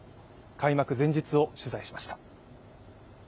開幕前日を取材しました。